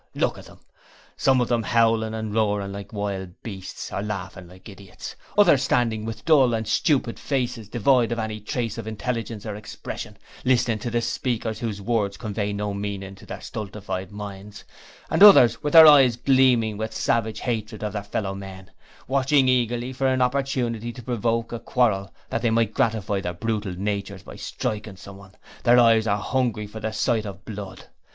Look at them! Some of them howling and roaring like wild beasts, or laughing like idiots, others standing with dull and stupid faces devoid of any trace of intelligence or expression, listening to the speakers whose words convey no meaning to their stultified minds, and others with their eyes gleaming with savage hatred of their fellow men, watching eagerly for an opportunity to provoke a quarrel that they may gratify their brutal natures by striking someone their eyes are hungry for the sight of blood!